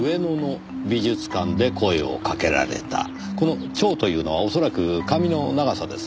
この「長」というのは恐らく髪の長さです。